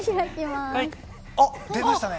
７が出ましたね。